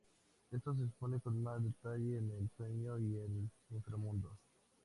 Esto se expone con más detalle en "El sueño y el inframundo".